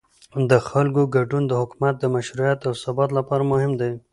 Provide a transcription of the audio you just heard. د خلکو ګډون د حکومت د مشروعیت او ثبات لپاره مهم دی